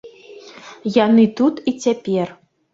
Яны тут і цяпер.